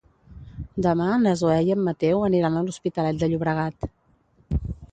Demà na Zoè i en Mateu aniran a l'Hospitalet de Llobregat.